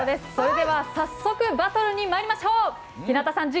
早速バトルにまいりましょう。